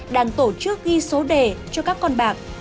đang tổ chức ghi số đề cho các con bạc